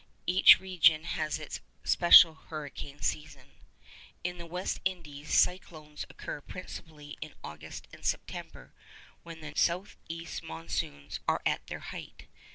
Each region has its special hurricane season. In the West Indies, cyclones occur principally in August and September, when the south east monsoons are at their height.